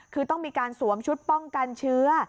คือต้องมีการสวมชุดป้องกันเชื้อ